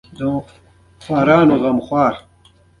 یوه ورځ په خوشحالۍ بدلېږي او خوشحالي به هرومرو یوه ورځ په غم بدلېږې.